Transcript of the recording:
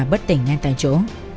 bất tỉnh ngay tại chỗ